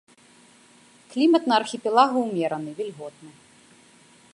Клімат на архіпелагу умераны, вільготны.